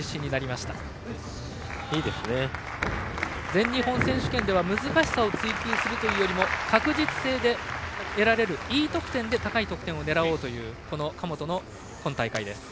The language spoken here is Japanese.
全日本選手権では難しさを追求するよりも確実性で得られるＥ得点で高い得点を狙おうという今大会です。